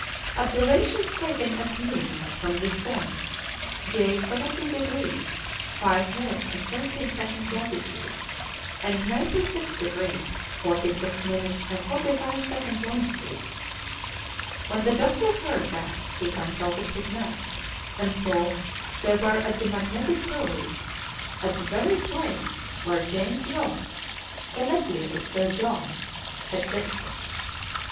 Observations taken at noon from this point gave 70 degrees 5 minutes 17 seconds latitude, and 96 degrees 46 minutes 45 seconds longitude; when the doctor heard that he consulted his map, and saw they were at the magnetic pole, at the very place where James Ross, the nephew of Sir John, had fixed it.